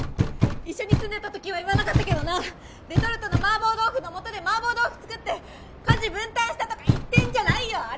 一緒に住んでたときは言わなかったけどなレトルトのマーボー豆腐のもとでマーボー豆腐作って家事分担したとか言ってんじゃないよ！